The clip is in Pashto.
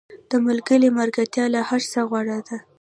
• د ملګري ملګرتیا له هر څه غوره ده.